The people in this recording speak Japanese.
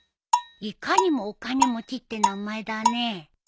いかにもお金持ちって名前だねえ。